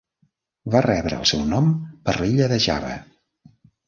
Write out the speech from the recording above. Va rebre el seu nom per l'illa de Java.